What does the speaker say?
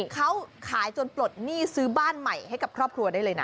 เขาขายจนปลดหนี้ซื้อบ้านใหม่ให้กับครอบครัวได้เลยนะ